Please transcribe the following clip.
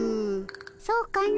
そうかの。